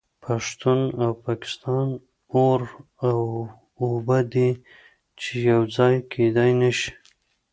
پښتون او پاکستان اور او اوبه دي چې یو ځای کیدای نشي